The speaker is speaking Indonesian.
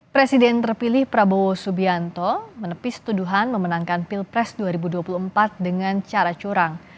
presiden terpilih prabowo subianto menepis tuduhan memenangkan pilpres dua ribu dua puluh empat dengan cara curang